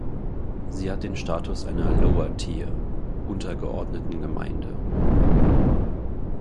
Sie hat den Status einer Lower Tier ("untergeordneten Gemeinde").